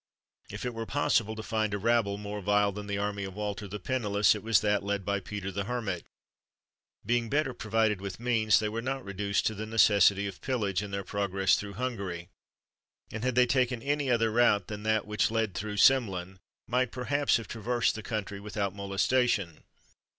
If it were possible to find a rabble more vile than the army of Walter the Pennyless, it was that led by Peter the Hermit. Being better provided with means, they were not reduced to the necessity of pillage in their progress through Hungary; and had they taken any other route than that which led through Semlin, might perhaps have traversed the country without molestation.